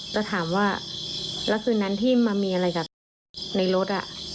แต่ถามว่าแล้วคืนนั้นที่มามีอะไรกับในรถ